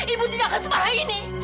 ibu tidak akan semarah ini